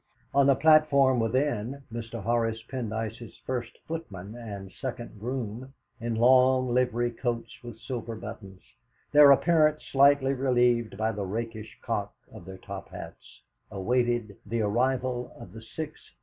On the platform within, Mr. Horace Pendyce's first footman and second groom in long livery coats with silver buttons, their appearance slightly relieved by the rakish cock of their top hats, awaited the arrival of the 6.15.